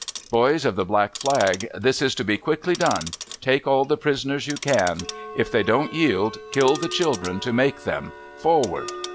'Boys of the black flag, this is to be quickly done. Take all the prisoners you can. If they don't yield, kill the children to make them. Forward!'